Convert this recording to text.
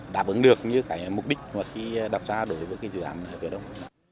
đáp ứng được như cái mục đích mà khi đặt ra đối với cái dự án ở phía đông